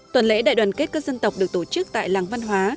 tuần lễ đại đoàn kết các dân tộc được tổ chức tại làng văn hóa